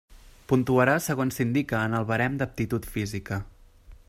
Puntuarà segons s'indica en el barem d'aptitud física.